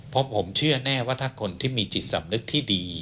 เพราะผมเชื่อแน่ว่าถ้าคนที่มีจิตสำนึกที่ดี